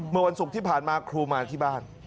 เมื่อวันศุกร์ที่ผ่านมาครูมาที่บ้าน